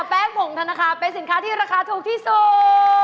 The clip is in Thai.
แป้งผงธนาคารเป็นสินค้าที่ราคาถูกที่สุด